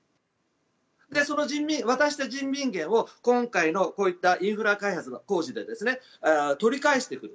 その渡した人民元を今回のインフラ開発の工事で取り返していく。